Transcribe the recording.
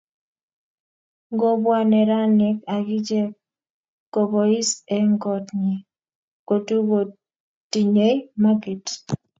Ngobwa neranik agichek kobois eng kot nyi kotukotinyei maket